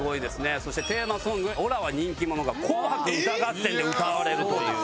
そしてテーマソング『オラはにんきもの』が『紅白歌合戦』で歌われるという。